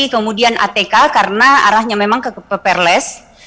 kemudian atk karena arahnya memang ke ppr les